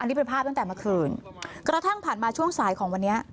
นี่เป็นภาพตั้งแต่เมื่อคืนกระทั่งผ่านมาช่วงสายของวันนี้